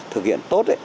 thực hiện tốt